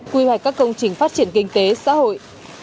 quy hoạch các công trình phát triển kinh tế xã hội